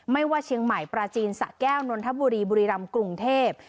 ไม่ว่าเชียงใหม่ปราจีนสะแก้วนนทบุรีบุรีรำกรุงเทพ